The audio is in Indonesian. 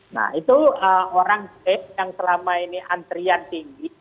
nah itu orang yang selama ini antrian tinggi